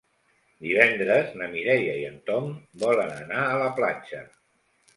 Divendres na Mireia i en Tom volen anar a la platja.